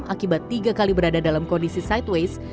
akibat tiga kali berada dalam kondisi sideways